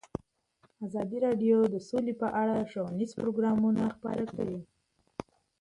ازادي راډیو د سوله په اړه ښوونیز پروګرامونه خپاره کړي.